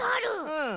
うん。